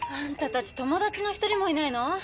友達の１人もいないの？